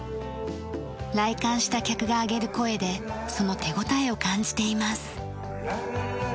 来館した客が上げる声でその手応えを感じています。